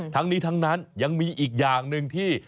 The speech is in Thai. ทั้งนี้ทั้งนั้นยังมีอีกอย่างหนึ่งที่